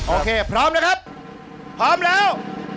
พร้อมนะครับพร้อมแล้ว